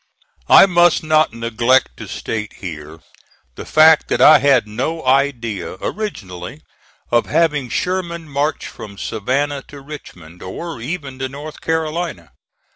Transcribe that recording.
I must not neglect to state here the fact that I had no idea originally of having Sherman march from Savannah to Richmond, or even to North Carolina.